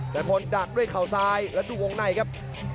แซนพลดักด้วยขาวซ้ายและดูองค์ในครับ